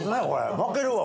負けるわ、俺。